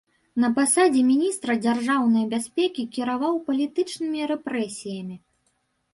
На пасадзе міністра дзяржаўнай бяспекі кіраваў палітычнымі рэпрэсіямі.